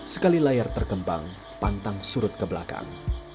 sekali layar terkembang pantang surut ke belakang